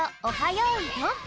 よいどん」。